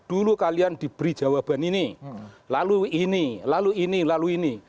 dulu kalian diberi jawaban ini lalu ini lalu ini lalu ini